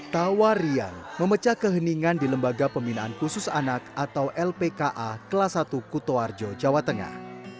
tawarian memecah keheningan di lembaga pembinaan khusus anak atau lpka kelas satu kutoarjo jawa tengah